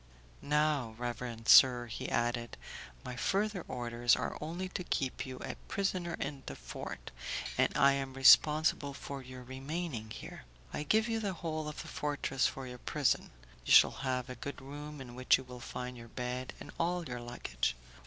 "Now, reverend sir," he added, "my further orders are only to keep you a prisoner in the fort, and I am responsible for your remaining here. I give you the whole of the fortress for your prison. You shall have a good room in which you will find your bed and all your luggage.